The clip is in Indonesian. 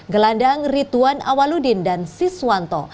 gelandang rituan awaludin dan siswanto